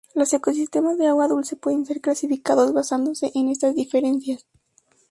Los ecosistemas de agua dulce pueden ser clasificados basándose en estas diferencias.